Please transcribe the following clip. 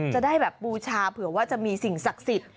จะได้แบบบูชาเผื่อว่าจะมีสิ่งศักดิ์สิทธิ์